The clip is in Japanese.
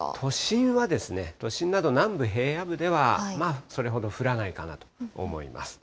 都心はですね、都心など南部平野部ではまあそれほど降らないかなと思います。